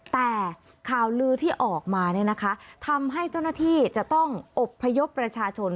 แต่ข่าวลือที่ออกมาเนี่ยนะคะทำให้เจ้าหน้าที่จะต้องอบพยพประชาชน